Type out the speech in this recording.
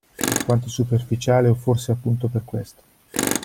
Per quanto superficiale o forse appunto per questo.